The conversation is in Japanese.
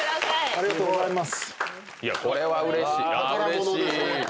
ありがとうございます。